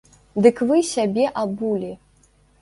Дык вы сябе абулі!